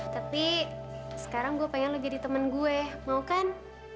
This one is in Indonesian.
tapi sekarang gue pengen lo jadi teman gue mau kan